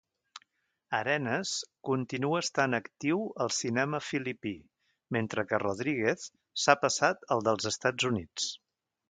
Arenas continua estant actiu al cinema filipí, mentre que Rodriguez s'ha passat al dels Estats Units.